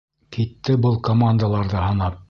Китте был командаларҙы һанап!